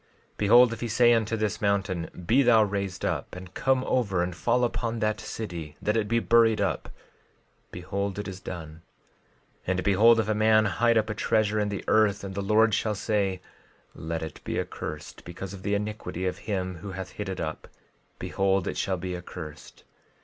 12:17 Behold, if he say unto this mountain—Be thou raised up, and come over and fall upon that city, that it be buried up—behold it is done. 12:18 And behold, if a man hide up a treasure in the earth, and the Lord shall say—Let it be accursed, because of the iniquity of him who hath hid it up—behold, it shall be accursed.